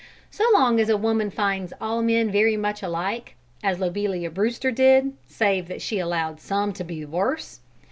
So long as a woman finds all men very much alike (as Lobelia Brewster did, save that she allowed some to be worse!)